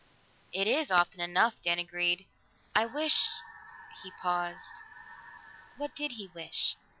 "It is, often enough," Dan agreed. "I wish " He paused. What did he wish?